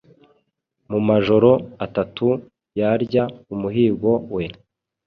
Mumajoro atatu Yarya umuhigo we,